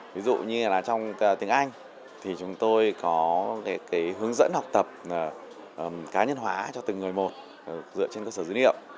ví dụ như là trong tiếng anh thì chúng tôi có hướng dẫn học tập cá nhân hóa cho từng người một dựa trên cơ sở dữ liệu